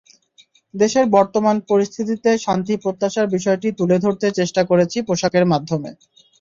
দেশের বর্তমান পরিস্থিতিতে শান্তি প্রত্যাশার বিষয়টি তুলে ধরতে চেষ্টা করেছি পোশাকের মাধ্যমে।